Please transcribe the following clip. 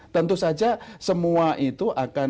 tentu saja semua itu akan